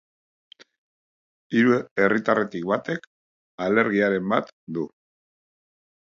Hiru herritarretik batek alergiaren bat du.